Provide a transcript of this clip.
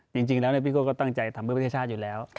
จริงแล้วพี่โก้ก็ตั้งใจทำเพื่อประเทศชาติอยู่แล้ว